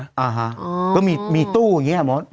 อ๋อฮะก็มีมีตู้อย่างงี้ไงพ้อธิบาย